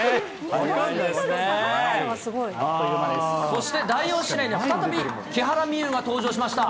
そして第４試合に再び木原美悠が登場しました。